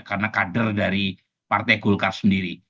karena kader dari partai golkar sendiri